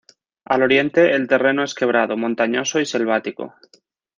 Al oriente el terreno es quebrado, montañoso y selvático.